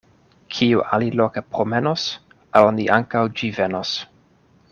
Kio aliloke promenos, al ni ankaŭ ĝi venos.